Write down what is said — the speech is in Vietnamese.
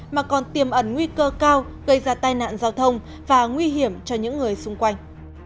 mà còn tiềm ẩn nguy cơ cao gây ra tai nạn giao thông và nguy hiểm cho những người xung quanh